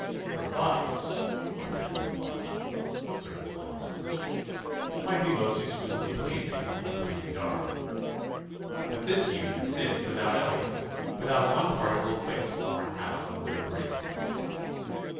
For vice, Lord Bendham thought (with certain philosophers), might be most exquisitely pleasing, in a pleasing garb. "But this youth sinned without elegance, without one particle of wit, or an atom of good breeding."